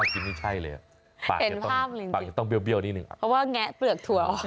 เพราะว่าแงะเปลือกถั่ว